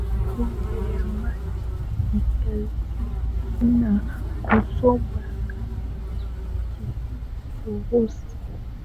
Nguvu ya maji ikamzidi na kumsomba kama kifurushi